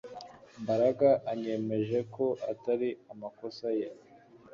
Mbaraga anyemeje ko atari amakosa ye